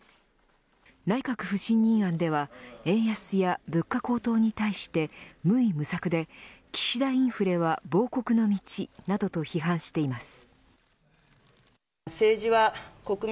内閣不信任案では円安や物価高騰に対して無為無策で岸田インフレは亡国の道などと批判しています。